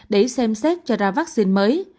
để xem xét cho ra vaccine mới